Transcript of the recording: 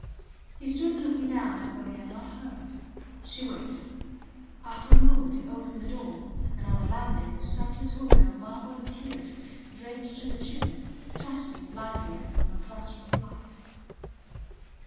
He stood looking down as though he had not heard. She waited. After a moment he opened the door, and, on the landing, the sightless woman of marble appeared, draped to the chin, thrusting blindly at them a cluster of lights.